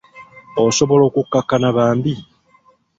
Osobola okukakkana bambi ?